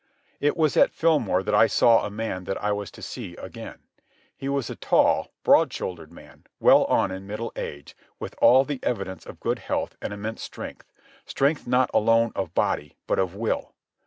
It was at Fillmore that I saw a man that I was to see again. He was a tall, broad shouldered man, well on in middle age, with all the evidence of good health and immense strength—strength not alone of body but of will.